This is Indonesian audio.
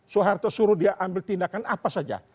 soeharto suruh dia ambil tindakan apa saja